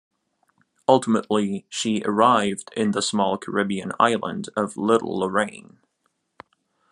Ultimately, she arrived in the small Caribbean island of Little Lorraine.